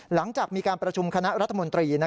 หลังจากมีการประชุมคณะรัฐมนตรี